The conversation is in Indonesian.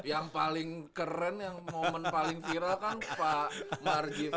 yang paling keren yang momen paling viral kan pak marjid